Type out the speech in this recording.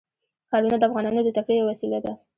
ښارونه د افغانانو د تفریح یوه وسیله ده.